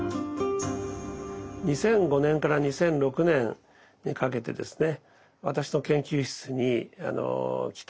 ２００５年から２００６年にかけてですね